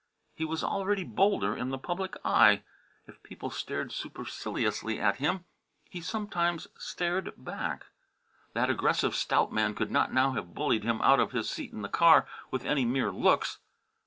He was already bolder in the public eye. If people stared superciliously at him, he sometimes stared back. That aggressive stout man could not now have bullied him out of his seat in the car with any mere looks.